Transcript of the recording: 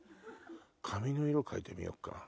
髪の色変えてみようか。